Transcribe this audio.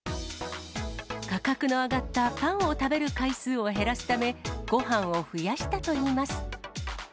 価格の上がったパンを食べる回数を減らすため、ごはんを増やしたといいます。